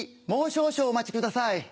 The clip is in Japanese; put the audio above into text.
もう少々お待ちください。